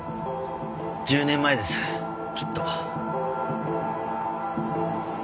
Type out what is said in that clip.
１０年前ですきっと。